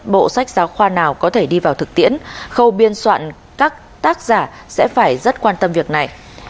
bộ sách giáo khoa nào có thể đi vào thực tiễn khâu biên soạn các tác giả sẽ phải rất quan tâm việc này